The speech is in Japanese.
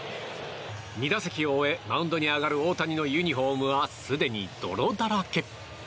２打席を終え、マウンドに上がる大谷のユニホームはすでに泥だらけ。